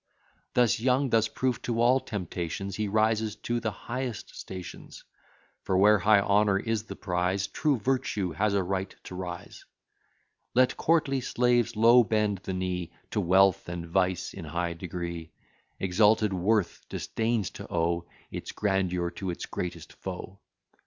Thus young, thus proof to all temptations, He rises to the highest stations; For where high honour is the prize, True Virtue has a right to rise: Let courtly slaves low bend the knee To Wealth and Vice in high degree: Exalted Worth disdains to owe Its grandeur to its greatest foe.